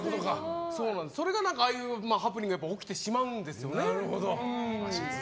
それがああいうハプニングが起きてしまうんですよね。